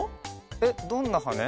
えっどんなはね？